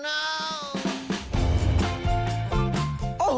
แบบบ้าน